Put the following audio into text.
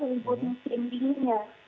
libur musim dingin ya